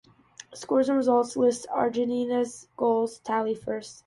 Scores and results list Argentina's goal tally first.